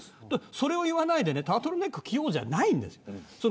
それを言わないでタートルネックを着ようじゃないんです。